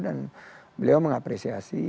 dan beliau mengapresiasi